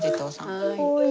はい。